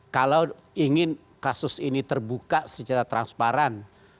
kalau ingin kasus ini terbuka secara transparan